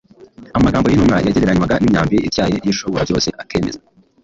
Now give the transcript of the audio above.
Amagambo y’intumwa yagereranywaga n’imyambi ityaye y’Ishoborabyose akemeza